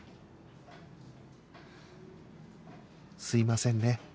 すいませんね。